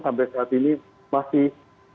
sampai saat ini masih